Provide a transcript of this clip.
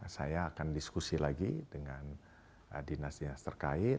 saya akan diskusi lagi dengan dinas dinas terkait